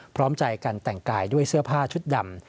พร้อมใจกันแต่งกายด้วยเสื้อผ้าชุดดำ